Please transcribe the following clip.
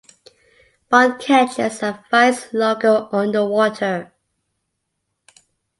Bond catches and fights Largo underwater.